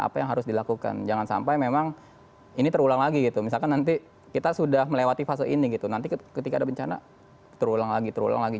apa yang harus dilakukan jangan sampai memang ini terulang lagi gitu misalkan nanti kita sudah melewati fase ini gitu nanti ketika ada bencana terulang lagi terulang lagi